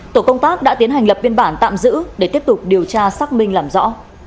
tổ công tác đã tiến hành lập biên bản tạm giữ để tiếp tục điều tra xác minh làm rõ